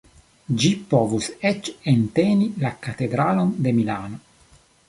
Ĝi povus eĉ enteni la Katedralon de Milano.